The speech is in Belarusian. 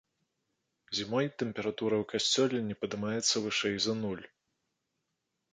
Зімой тэмпература ў касцёле не падымаецца вышэй за нуль.